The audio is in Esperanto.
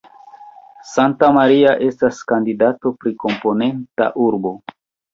Santa Maria estas kandidato pri komponenta urbo.